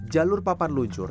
jalur papan luncur